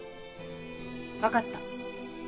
分かった。